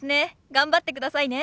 頑張ってくださいね。